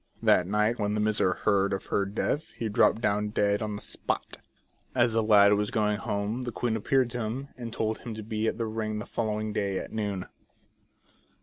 That night, when the miser heard of her death, he dropped down dead on the spot. 8 The Fairies of Caragonan. As the lad was going home the queen appeared to him, and told him to be at the ring the following day at noon.